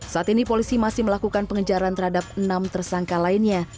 saat ini polisi masih melakukan pengejaran terhadap enam tersangka lainnya